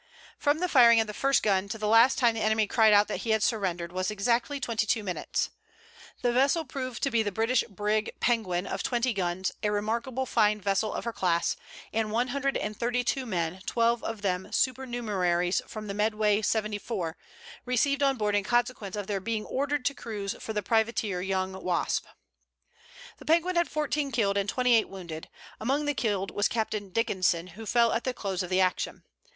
From the firing of the first gun to the last time the enemy cried out that he had surrendered, was exactly twenty two minutes. The vessel proved to be the British brig Penguin, of twenty guns, a remarkable fine vessel of her class, and one hundred and thirty two men, twelve of them supernumeraries from the Medway seventy four, received on board in consequence of their being ordered to cruise for the privateer Young Wasp. The Penguin had fourteen killed and twenty eight wounded. Among the killed was Captain Dickenson, who fell at the close of the action.